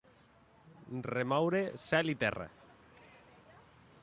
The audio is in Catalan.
Remoure cel i terra.